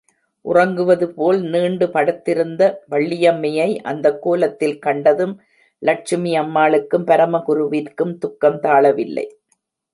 உறங்குவது போல் நீண்டு படுத்திருந்த வள்ளியம்மையை அந்தக் கோலத்தில் கண்டதும், லட்சுமி அம்மாளுக்கும், பரமகுருவிற்கும் துக்கம் தாளவில்லை.